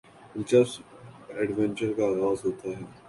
دلچسپ ایڈونچر کا آغاز ہوتا ہے